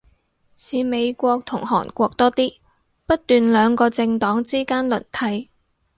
似美國同韓國多啲，不斷兩個政黨之間輪替